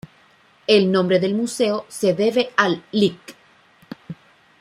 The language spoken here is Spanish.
El nombre del museo se debe al Lic.